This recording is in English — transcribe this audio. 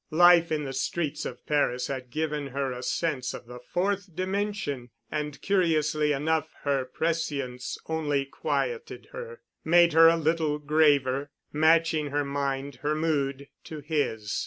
Life in the streets of Paris had given her a sense of the fourth dimension. And curiously enough her prescience only quieted her, made her a little graver, matching her mind—her mood to his.